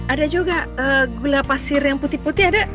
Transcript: ada juga gula pasir yang putih putih ada